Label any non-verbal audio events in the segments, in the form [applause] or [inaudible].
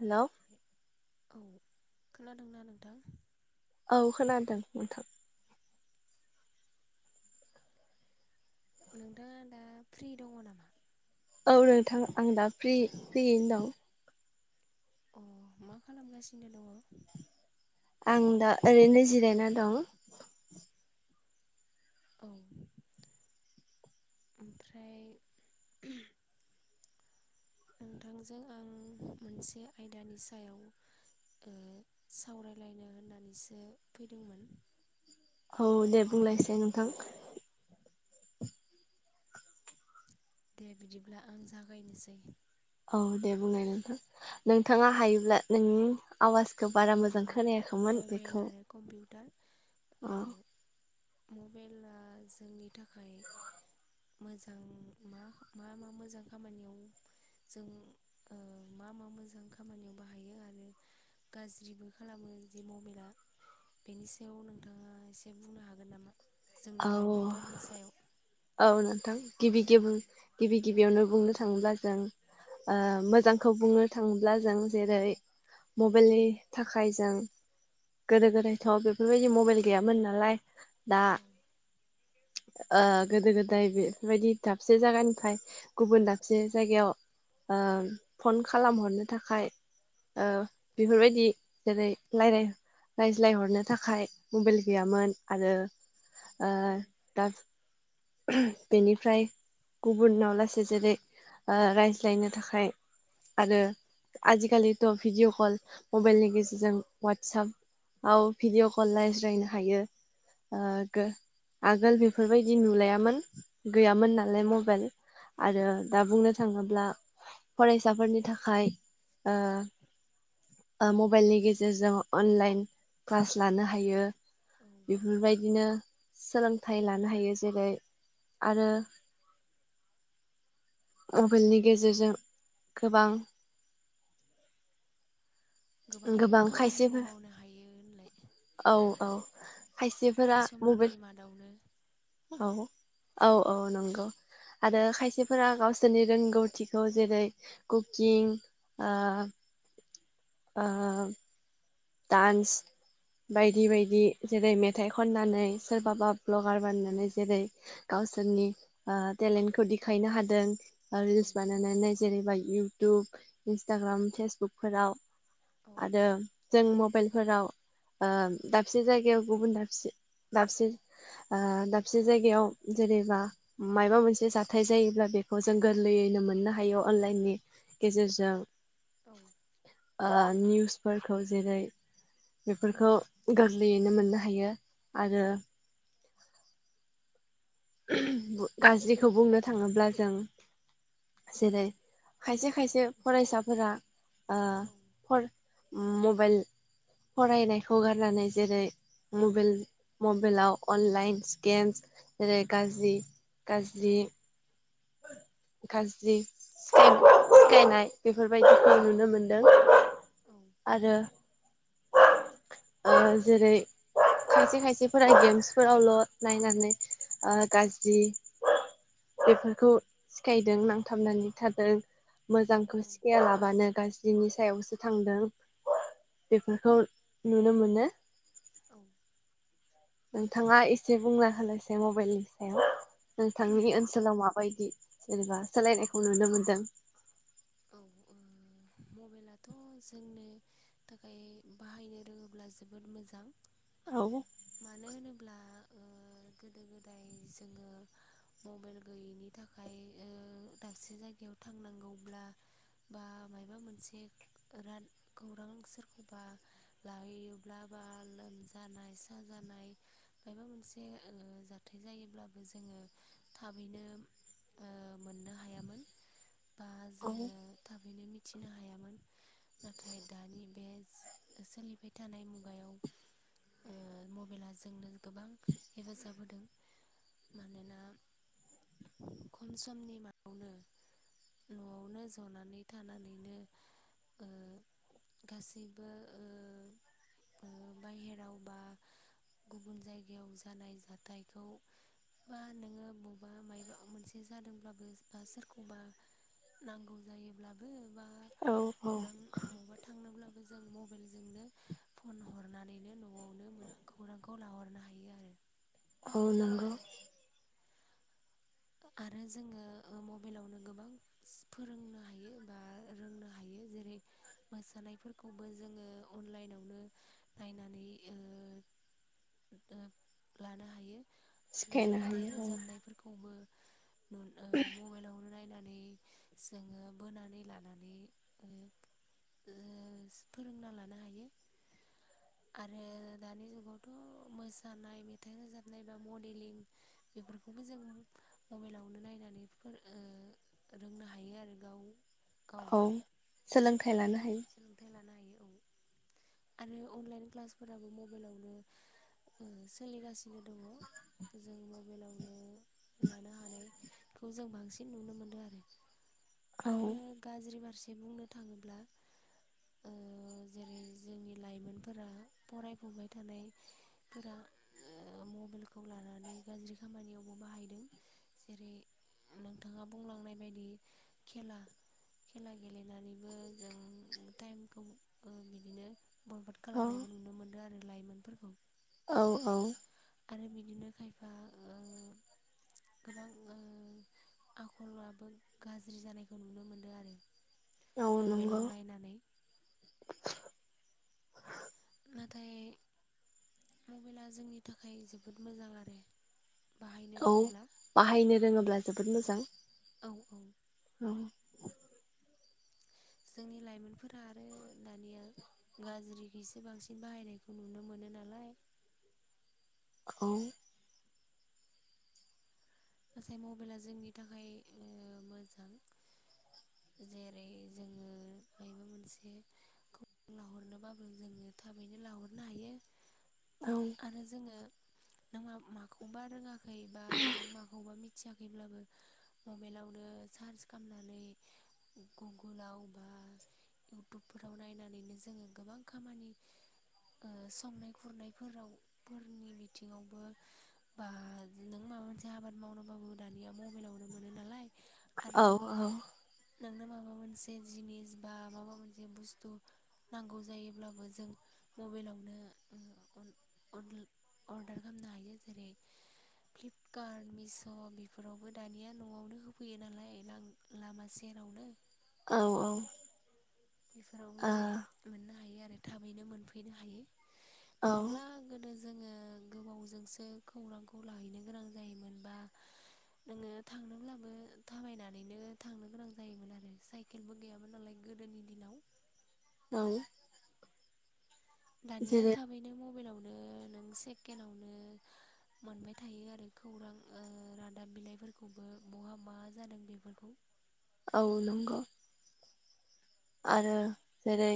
Hello औ खोनादोंना नोंथां? औ खोनादों नोंथां। नोंथाङा दा फ्रि दङ नामा? औ नोंथां आं दा फ्रि फ्रियैनो दं। अ मा खालामगासिनो दङ? आं दा ओरैनो जिरायना दं। औ ओमफ्राय नोंथांजों आं मोनसे आयदानि सायाव ओ सावरायलायनो होननानैसो फैदोंमोन। औ दे बुंनायसाय नोंथां। दे बिदिब्ला आं जागायनोसै औ दे बुंनाय नोंथां नोंथाङा हायोब्ला नोंनि आवाजखौ बारा ओ मोजां खोनायाखैमोन मबाइल बेखौ आरो कम्पिउटार ओ अ मबाइला जोंनि थाखाय मोजां मा मा मा मोजां खामानियाव जों ओ मा मा मोजां खामानियाव बाहायो आरो गाज्रिबो खालामो जे मबाइला। बेनि सायाव नोंथाङा एसे बुंनो हागोन नामा? जोंनि औ लाइमोनफोरनि सायाव औ नोंथां गिबि गिबि गिबि गिबियावनो बुंनो थाङोब्ला जों ओ मोजांखौ बुंनो थाङोब्ला जों जेरै मबेइलनि थाखाय जों गोदो गोदायथ' बेफोरबायदि मबेइल गैयामोन नालाय दा औ ओ गोदो गोदाय बेफोरबायदि दाबसे जायगानिफ्राय गुबुन दाबसे जायगायाव ओ फन खालामहरनो थाखाय ओ बेफोरबायदि जेरै रायलाय रायज्लायहरनो थाखाय मबाइल गैयामोन आरो ओ औ दा बेनिफ्राय गुबुनाव लासै जेरै ओ रायज्लायनो थाखाय आरो आजिखालिथ' भिडिअ कल मबाइलनि गेजेरजों वातसाप आव भिडिअ कल रायज्लायनो हायो। आगोल बेफोरबायदि नुलायामोन गैयामोन नालाय मबेइल। आरो दा बुंनो थाङोब्ला। फरायसाफोरनि थाखाय ओ ओ मबाइलनि गेजेरजों अनलाइन क्लास लानो हायो। औ बेबायदिनो सोलोंथाइ लानो हायो जेरै आरो मबेइलनि गेजेरजों गोबां गोबां खामानिखौ मावनो हायो होनलाय? औ औ खम खायसेफोरा समनि मबेइल मादावनो [unintelligible] औ औ औ नंगौ। आरो खायसेफोरा गावसोरनि रोंगौथिखौ जेरै कुकिं ओ ओ डान्स बायदि औ बायदि। जेरै मेथाइ खननानै सोरबाबा भ्लगार बानायनानै जेरै गावसोरनि ओ टेलेन्टखौ देखायनो हादों। औ रिल्स बानायनानै जेरैबायदि इउटुब इन्सटाग्राम फेसबुकफोराव औ हादों ‌। जों मबाइलफोराव ओ दाबसे जायगायाव गुबुन दाबसे दाबसे ओ दाबसे जायगायाव जेरैबा मायबा मोनसे जाथाय जायोब्ला बेखौ जों गोरलैयैनो मोननो हायो अनलाइननि गेजेरजों औ ओ निउसफोर जेरै बेफोरखौ गोरलैयैनो मोननो हायो आरो। गाज्रिखौ बुंनो थाङोब्ला जों जेरै खायसे खायसे फरायसाफोरा औ ओ मबेइल फरायनायखौ गारनानै जेरै मबेइल मबेइलाव अनलाइनस गेमस जेरै गाज्रि गाज्रि औ गाज्रि [unintelligible] सिखायनाय बेफोरबायदिखौ नुनो मोनदों। औ आरो ओ जेरै खायसे खायसेफोरा गेम्सफोरावल' नायनानै ओ गाज्रि [unintelligible] [unintelligible] सिखायदों नांथाबनानै थादों औ मोजांखौ औ सिखायालाबानो गा बिनि सायावसो थांदों बेफोरखौ नुनो मोनो। औ। नोंथाङा एसे बुंना होनायसै मबाइलनि सायाव, नोंथांनि ओन ओनसोलाव मा बायदि जेनेबा सोलायनायखौ नुनो मोन्दों? औ ओ मबाइलाथ' जोंनो थाखाय बाहायनो रोङोब्ला जोबोद मोजां। औ। मानो होनोब्ला गोदो गोदाय जोङो मबाइल गैयैनि थाखाय दाबसे जायगायाव थांनांगौब्ला बा मायाबा मोनसे रान सोरखौबा लाहैयोब्ला लोमजानाय साजानाय मायबा मोनसे जाथाय जायोब्लाबो जोङो थाबैनो ओ मोननो हायामोन बा औ जोङो थाबैनो मिथिनो हायामोन। नाथाय दानि बे सोलिबाय थानाय मुगायाव मबाइला जोंनो गोबां हेफाजाब होदों। मानोना खम समनि [unintelligible] न'आव जनानै थानानैनो गासैबो ओ बाहेराव बा गुबुन जायगायाव जानाय जाथायखौ बा नोङो बबेबा मायबा मोनसे जादोंब्लाबो बा सोरखौबा नांगौ जायोब्लाबो बा औ औ नों बबावबा थांनोब्लाबो जों मबाइलजोंनो फन हरनानैनो न'आवनो मोन खौरांखौ लाहरनो हायो आरो। औ नोंगौ। आरो जोङो मबाइलावनो गोबां फोरोंनो हायो बा रोंनो हायो जेरै मोसानायफोरखौबो जोङो अनलाइनावनो नायनानै ओ ओ लानो हायो आरो सिखायनो मेथाइ हायो औ रोजाबनाय फोरफोरखौबो नु ओ मबाइलावनो नायनानै जोङो बोनानै लानानै ओ ओ फोरोंना लानो हायो ओ आरो दानि जुगाव थ' मोसानाय मेथाइ रोजाबनाय बा मडेलिं बेफोरखौबो जों मबाइलावनो नायनानै फोरों ओ रोंनो हायो आरो गाव गाव औ सोलोंथाइ लानो हायो। सोलोंथाइ लानो हायो औ आरो अनलाइन क्लासफोराबो मबाइलावनो ओ सोलिगासिनो दङ जों मबाइलावनो लानो हानाय खौ जों बांसिन नुनो मोनदों आरो। आरो औ गाज्रि फारसे बुंनो थाङोब्ला। ओ जेरै जोंनि लाइमोनफोरा फरायफुबाय थानायफोरा ओ मबाइलखौ लानानै गाज्रि खामानियावबो बाहायदों। जेरै नोंथाङा बुंलांनाय बायदि खेला खेला गेलेनानैबो जों टाइमखौ ओ बिदिनो बरबाद औ खालामनायखौ नुनो मोनदों आरो। लाइमोनफोरखौ। औ औ। आरो बिदिनो खायफा ओ गोबां ओ आखलआबो गाज्रि जानायखौ नुनो मोनदों आरो। औ नंगौ मबाइलाव नायनानै। नाथाय मबाइला जोंनि थाखाय जोबोद मोजां आरो। बाहायनो औ रोङोब्ला बाहायनो रोङोब्ला जोबोद मोजां। औ औ औ जोंनि लाइमोनफोरा आरो दानिया गाज्रिखैसो बांसिन बाहायनायखौ नुनो मोनो नालाय। औ। गासै मबाइला जोंनि थाखाय ओ मोजां जेरै जोङो मायबा मोनसे खौरां लाहरनोबाबो जोङो थाबैनो लाहरनो हायो। औ आरो जोङो नों मा-माखौबा रोङाखै बा नों मा मिथियाखैब्लाबो मबाइलावनो सार्च खालामनानै गुगोलाव बा इउटुबफोराव नायनानैनो जोङो गोबां खामानि ओ संनाय खुरनायफोराव फोरनि बिथिङावबो बा नों माबा मोनसे आबाद मावनोबाबो दानिया मबाइलावनो मोनो नालाय आरो औ औ नोंनो माबा मोनसे जिनिस बा माबा मोनसे बुस्थु नांगौ जायोब्लाबो जों मबाइलावनो ओ अन अन अर्डार खालामनो हायो जेरै फ्लिपकार्ट मिस' बेफोरावबो दानिया न'आवनो होफैयो नालाय लामा सेरावनो औ औ। बेफोरावनो ओ मोननो हायो आरो थाबैनो मोनफैनो हायो औ नङाब्ला गोदो जोङो गोबावजोंसो खौरांखौ लाहैनो गोनां जायोमोनबा नोङो थांनोब्लाबो थाबायनानैनो थांनो गोनां जायोमोन आरो साइकेलबो गैयामोन नालाय गोदोनि दिनाव औ दानिया जेरै थाबैनो मबाइलावनो नों सेकेन्डआवनो मोनबाय थायो आरो खौरां रादाब बिलाइफोरखौबो बहा मा जादों बेफोरखौ औ नंगौ आरो जेरै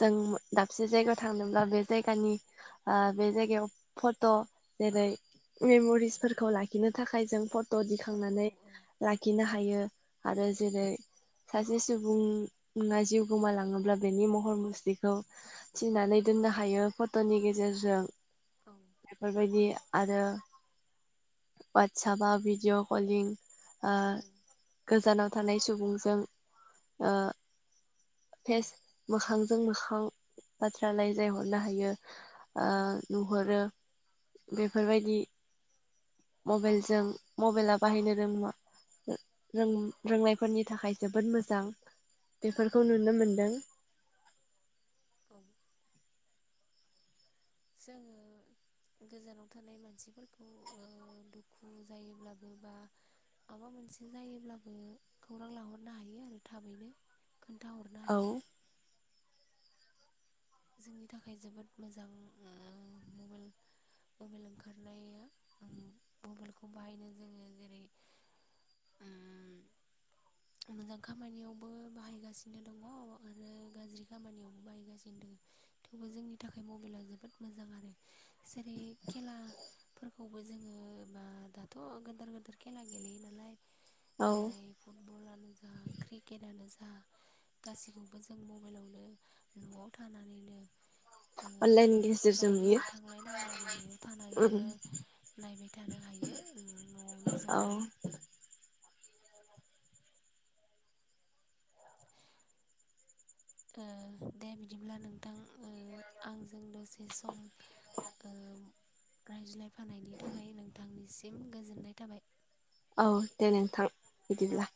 जों दाबसे जायगायाव थांनोब्ला बे जायगानि बे जायगायाव फट' जेरै मेम'रिसफोरखौ लाखिनो थाखाय जों फट' औ औ दिखांनानै औ लाखिनो हायो आरो जेरै सासे सुबुं बुंना जिउ गोमालाङोब्ला बेनि महर मुस्रिखौ थिनानै दोननो हायो फट'नि गेजेरजों औ बेफोरबायदि आरो ववाटसपाव भिडिअ कलिं ओ गोजानाव थानाय सुबुंजों ओ फेस मोखांजों मोखां बाथ्रालायजाय हरनो हायो। ओ औ नुहरो बेफोरबायदि मबाइलजों मबाइला बाहायनो रोंबा रोंनायफोरनि थाखाय जोबोद मोजां बेफोरखौ नुनो मोनदों औ। जोङो। गोजानाव थानाय मानसिफोरखौ ओ दुखु जायोब्लाबो बा माबा मोनसे जायोब्लाबो खौरां लाहरनो हायो आरो थाबैनो। खोन्थाहरनो औ हायो। जोंनि थाखाय जोबोद मोजां ओ मबेल मबाइल ओंखारनाया उम मबाइलखौ बाहायनो जोङो जेरै, उम मोजां खामानियावबो बाहायगासिनो दं आरो गाज्रि खामानियावबो बाहायगासिनो दङ। थेवबो जोंनि थाखाय मबाइला जोबोद मोजां आरो जेरै खेला फोरखौबो जोङो बा दाथ' गोदेर गोदिर खेला गेलेयो नालाय औ जेरै, फुटबलानो, जा क्रिकेटनो, जा गासैखौबो जों मबाइलावनो न'आव थानानैनो अनलाइननि गेजेरजों नुयो जायगायाव थांलायनाङा आरो न'आव थानानैनो नायबाय थानो हायो न'आवनो औ ज'नानै ओ दे बिदिब्ला नोंथां आंजों दसे सम ओ रायज्लायफानायनि थाखाय नोंथांनिसिम गोजोननाय थाबाय। औ दे नोंथां बिदिब्ला।